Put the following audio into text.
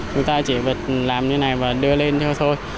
người ta chỉ phải làm như này và đưa lên thôi thôi